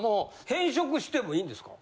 変色してもいいんですか？